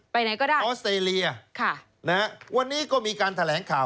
ไหนก็ได้ออสเตรเลียค่ะนะฮะวันนี้ก็มีการแถลงข่าว